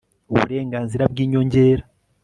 uburenganzira bw'inyongera